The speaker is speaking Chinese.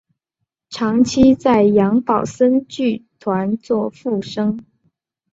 长期在杨宝森剧团做副生。